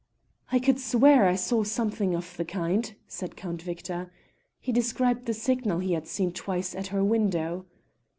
"I could swear I saw something of the kind," said Count Victor. He described the signal he had seen twice at her window.